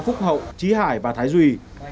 phúc hậu trí hải và thái duy